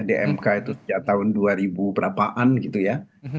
di mk itu tahun dua ribu berapaan gitu ya